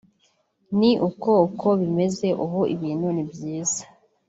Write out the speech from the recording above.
ni uko uko bimeze ubu ibintu ni byiza [